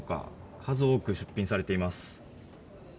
数多く出品されています。